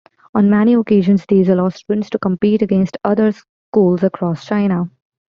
On many occasions, these allow students to compete against other schools across China.